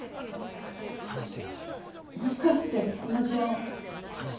もしかしてこの事案。